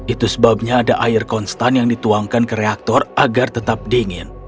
itu sebabnya ada air konstan yang dituangkan ke reaktor agar tetap dingin